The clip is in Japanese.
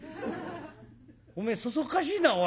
おめえそそっかしいなおい。